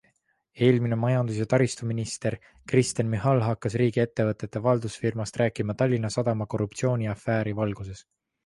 Eelmine majandus- ja taristuminister Kristen Michal hakkas riigiettevõtete valdusfirmast rääkima Tallinna Sadama korruptsiooniafääri valguses.